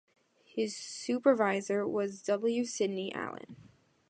His supervisor was W. Sidney Allen.